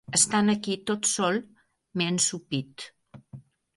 Estant aquí tot sol, m'he ensopit.